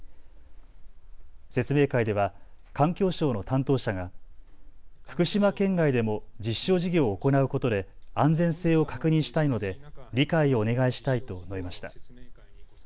説明会では環境省の担当者が福島県外でも実証事業を行うことで安全性を確認したいので理解をお願いしたいと述べました。